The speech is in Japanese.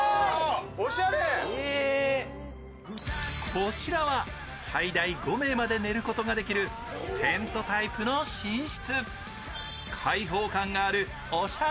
こちらは最大５名まで寝ることができるテントタイプの寝室。